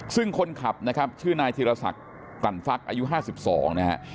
ซึ่งคนขับชื่อนายธิรษักรรฟักษ์อายุ๕๒นะครับ